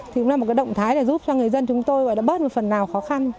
thì cũng là một động thái giúp cho người dân chúng tôi bớt một phần nào khó khăn